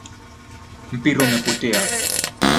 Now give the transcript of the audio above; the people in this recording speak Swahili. Mpira umepotea.